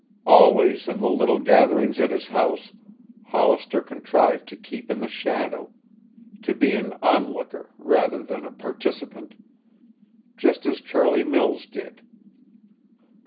Always in the little gatherings at his house Hollister contrived to keep in the shadow, to be an onlooker rather than a participant, just as Charlie Mills did.